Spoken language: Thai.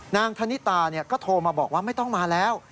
ณธนิตาก็โทรมาบอกว่าไม่ต้องมาแล้ว